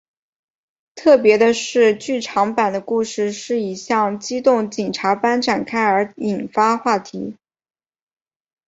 特别的是剧场版的故事是以像机动警察般展开而引发话题。